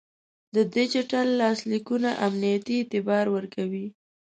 د ډیجیټل لاسلیکونه امنیتي اعتبار ورکوي.